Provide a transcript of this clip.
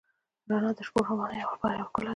رڼا د شپهروانو لپاره یوه ښکلا ده.